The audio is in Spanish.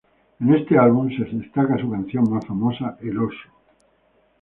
En este álbum se destaca su canción más famosa: "El Oso".